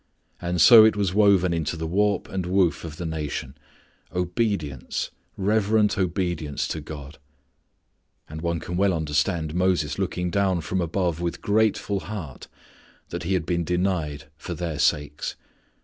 And so it was woven into the warp and woof of the nation obedience, reverent obedience to God. And one can well understand Moses looking down from above with grateful heart that he had been denied for their sakes.